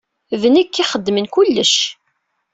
D nekk i ixeddmen kullec.